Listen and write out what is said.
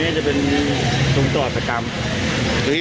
ไม่มีใครเป็นเจ้าของจ่ายจ่ายให้ใครไหมได้จ่ายให้ใครไหม